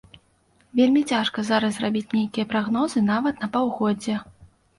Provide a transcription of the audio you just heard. Вельмі цяжка зараз рабіць нейкія прагнозы нават на паўгоддзе.